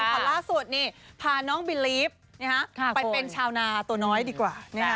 ขอล่าสวนพาน้องบลิลิฟห์ไปเป็นชาวนาตัวน้อยดีกว่า